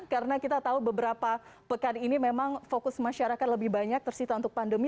karena kita tahu beberapa pekan ini memang fokus masyarakat lebih banyak tersita untuk pandemi